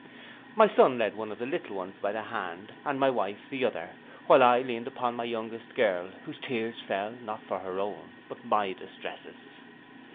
My son led one of the little ones by the hand, and my wife the other, while I leaned upon my youngest girl, whose tears fell not for her own but my distresses.